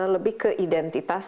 lebih ke identitas